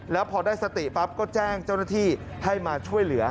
แล้วพอได้สติปั๊บก็แจ้งเจ้าหน้าที่ให้มาช่วยเหลือ